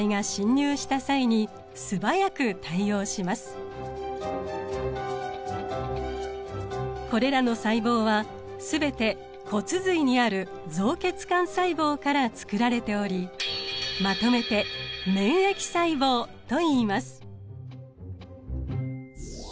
更にこれらの細胞は全て骨髄にある造血幹細胞から作られておりまとめて免疫細胞といいます。